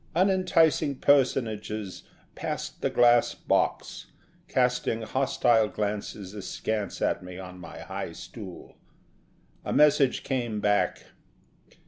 Unenticing personages passed the glass box, casting hostile glances askance at me on my high stool. A message came back.